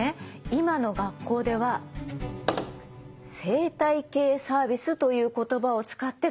今の学校では生態系サービスという言葉を使ってそのことを学んでるの。